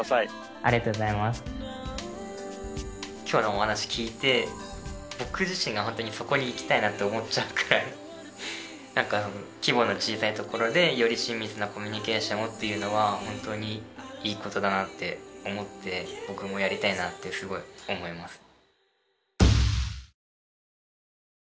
今日のお話聞いて僕自身が本当にそこに行きたいなと思っちゃうくらい規模の小さいところでより親密なコミュニケーションをっていうのは本当にいいことだなって思って僕もやりたいなってすごい思います。